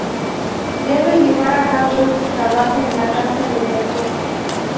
Debe llevar a cabo este trabajo en la casa de Perrot.